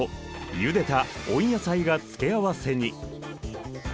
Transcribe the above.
ゆでた温野菜が付け合わせに。